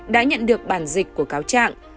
đã nhận được bản dịch của cáo trạng